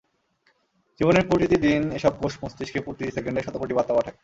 জীবনের প্রতিটি দিন এসব কোষ মস্তিষ্কে প্রতি সেকেন্ডে শতকোটি বার্তা পাঠায়।